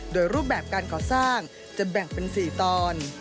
โดยรูปแบบการก่อสร้างจะแบ่งเป็น๔ตอน